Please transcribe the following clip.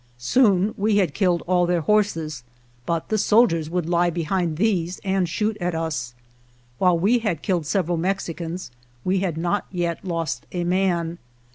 Soon we had killed all their horses, but the soldiers would lie be hind these and shoot at us. While we had killed several Mexicans, we had not yet lost a man.